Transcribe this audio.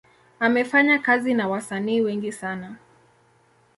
Amefanya kazi na wasanii wengi sana.